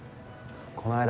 この間